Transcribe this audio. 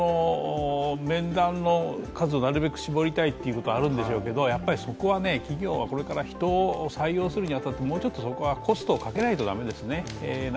企業側は面談の数をなるべく絞りたいっていうのはあるんでしょうけどそこは企業がこれから人を採用するに当たって、そこはコストをかけなくてはいけないですね。